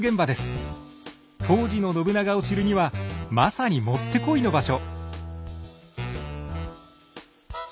当時の信長を知るにはまさにもってこいの場所。